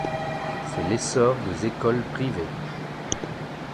C'est l'essor des écoles privées.